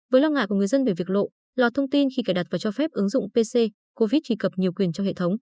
với lo ngại của người dân về việc lộ lọt thông tin khi cài đặt và cho phép ứng dụng pc covid truy cập nhiều quyền cho hệ thống